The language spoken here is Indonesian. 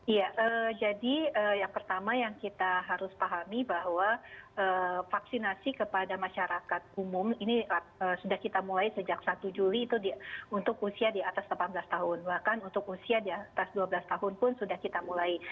iya jadi yang pertama yang kita harus pahami bahwa vaksinasi kepada masyarakat umum ini sudah kita mulai sejak satu juli itu untuk usia di atas delapan belas tahun bahkan untuk usia di atas dua belas tahun pun sudah kita mulai